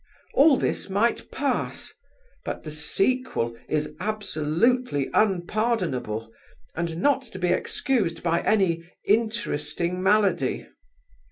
All this might pass, but the sequel is absolutely unpardonable, and not to be excused by any interesting malady.